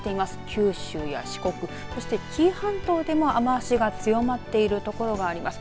九州や四国そして紀伊半島でも雨足が強まっている所があります。